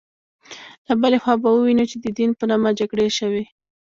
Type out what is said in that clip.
له بلې خوا به ووینو چې د دین په نامه جګړې شوې.